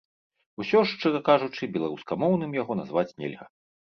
Усё ж, шчыра кажучы, беларускамоўным яго назваць нельга.